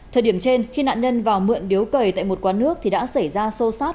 thời điểm trên khi nạn nhân vào mượn điếu cầy tại một quán nước thì đã xảy ra xô xát